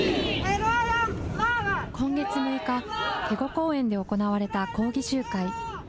今月６日、警固公園で行われた抗議集会。